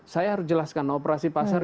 saya harus jelaskan operasi pasar